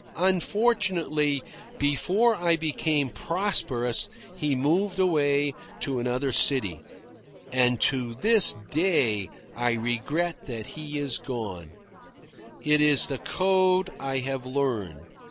Unfortunately, before I became prosperous, he moved away to another city. And to this day I regret that he is gone. It is the code I have learned.